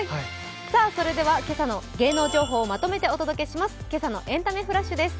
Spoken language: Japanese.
それでは今朝の芸能情報をまとめてお届けします。